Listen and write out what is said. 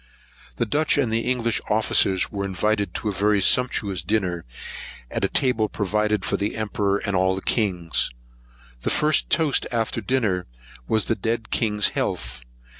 The Dutch and English officers were invited to a very sumptuous dinner, at a table provided for the emperor and all the kings. The first toast after dinner was the dead king's health.